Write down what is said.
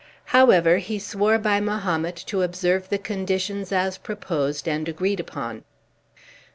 However, he swore by Mahomet to observe the conditions as proposed and agreed upon.